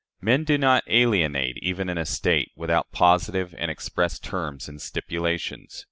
Men do not alienate even an estate, without positive and express terms and stipulations.